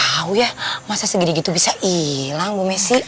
tau ya masa segini gitu bisa ilang bu messi